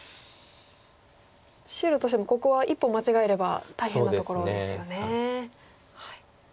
白としてもここは一歩間違えれば大変なところですよね。